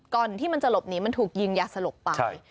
ก่อนที่มันจะหลบหนีมันถูกยิงยาสลบไป